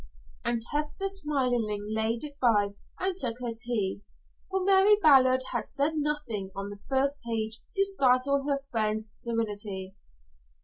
And Hester smilingly laid it by and took her tea, for Mary Ballard had said nothing on the first page to startle her friend's serenity.